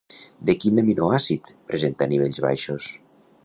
De quin aminoàcid presenta nivells baixos?